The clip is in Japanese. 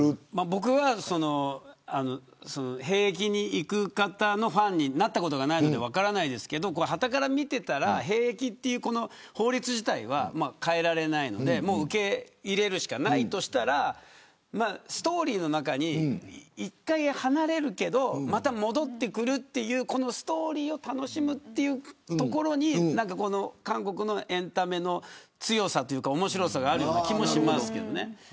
僕は兵役に行く方のファンになったことはないので分からないんですけどはたから見ていたら兵役で法律自体は変えられないので受け入れるしかないとしたらストーリーの中に一回離れるけどまた戻ってくるというストーリーを楽しむということに韓国のエンタメの強さというか面白さがある気もしますけど。